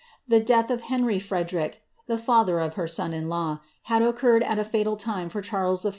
The death of Henry Frederic, the father of her son in law, had occurred at a fatal time for Charles I.